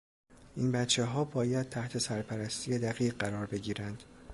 این بچهها باید تحت سرپرستی دقیق قرار بگیرند.